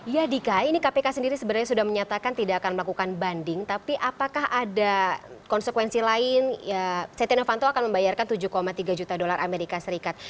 ya dika ini kpk sendiri sebenarnya sudah menyatakan tidak akan melakukan banding tapi apakah ada konsekuensi lain setia novanto akan membayarkan tujuh tiga juta dolar amerika serikat